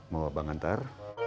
mau abang nantar